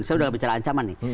saya sudah bicara ancaman nih